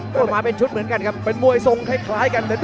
ก็มาเป็นชุดเหมือนกันครับเป็นมวยทรงคล้ายกัน